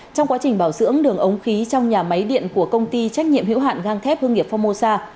trong quá trình bảo dưỡng đường ống khí trong nhà máy điện của công ty trách nhiệm hữu hạn gang thép hương nghiệp phongmosa